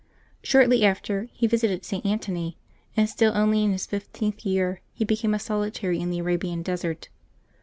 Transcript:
Shortly after, he visited St. Antony, and, still only in his fifteenth year, he became a solitary in the Arabian desert.